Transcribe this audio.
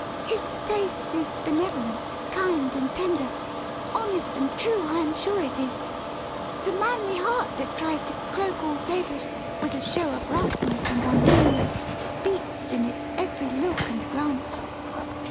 His face is benevolent, kind, and tender. Honest and true, I am sure it is. The manly heart that tries to cloak all favours with a show of roughness and unwillingness, beats in its every look and glance."